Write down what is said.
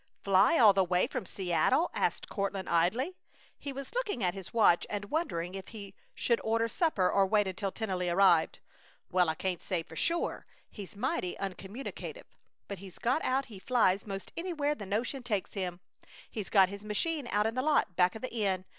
"Fly all the way from Seattle?" asked Courtland, idly. He was looking at his watch and wondering if he should order supper or wait until Tennelly arrived. "Well, I can't say for sure. He's mighty uncommunicative, but he's given out he flies 'most anywhere the notion takes him. He's got his machine out in the lot back o' the inn.